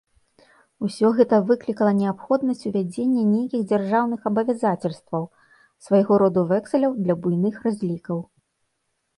Усё гэта выклікала неабходнасць увядзення нейкіх дзяржаўных абавязацельстваў, свайго роду вэксаляў для буйных разлікаў.